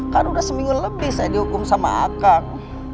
kan udah seminggu lebih saya dihukum sama a kang